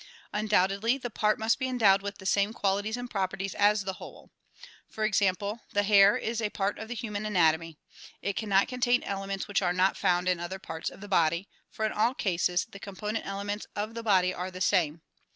Undoubtedly the part must be endowed with the same qualities anjd properties as the whole. For example, the hair is a part of the human anatomy. It cannot contain elements which are not found in other parts of the body, for in all cases the component elements of the body are the same.